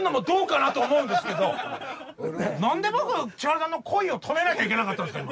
何で僕千春さんの「恋」を止めないといけなかったんですか？